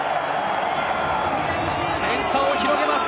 点差を広げます。